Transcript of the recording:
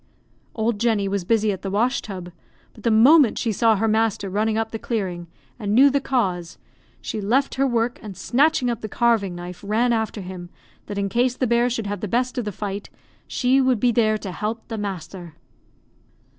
Old Jenny was busy at the wash tub, but the moment she saw her master running up the clearing, and knew the cause, she left her work, and snatching up the carving knife, ran after him, that in case the bear should have the best of the fight, she would be there to help "the masther."